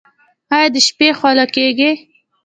ایا د شپې خوله کیږئ؟